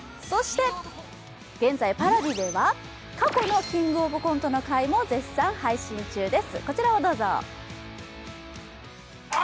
現在、Ｐａｒａｖｉでは過去の「キングオブコントの会」も絶賛配信中です。